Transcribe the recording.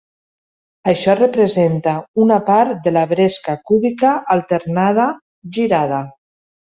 Això representa una part de la bresca cúbica alternada girada.